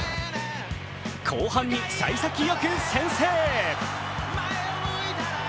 後半にさい先よく先制。